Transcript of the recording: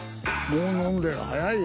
もう飲んでる早いよ。